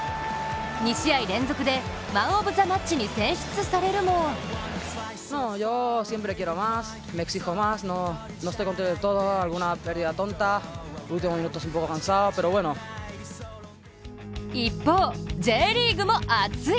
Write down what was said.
２試合連続でマン・オブ・ザ・マッチに選出されるも一方、Ｊリーグも熱い！